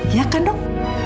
iya kan dok